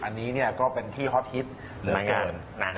อันนี้ก็เป็นที่ฮอตฮิตเหลือเกิน